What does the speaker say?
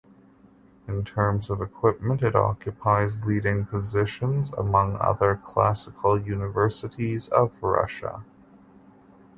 In terms of equipment it occupies leading positions among other classical universities of Russia.